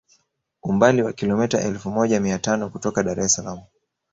Umbali wa kilometa elfu moja mia tano kutoka Dar es Salaam